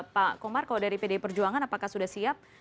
pak kumar kalau dari pdi perjuangan apakah sudah siap